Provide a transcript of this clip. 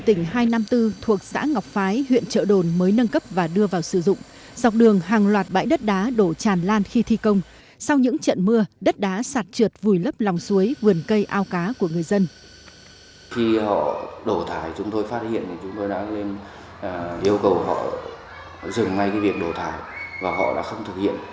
khi họ đổ thải chúng tôi phát hiện thì chúng tôi đã yêu cầu họ dừng ngay cái việc đổ thải và họ đã không thực hiện